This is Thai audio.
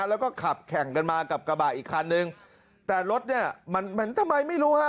แล้วก็ขับแข่งกันมากับกระบะอีกคันนึงแต่รถเนี่ยมันเหมือนทำไมไม่รู้ฮะ